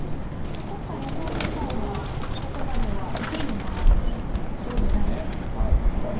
今回松尾八段はここまでは受けに回る形になっていますけれども。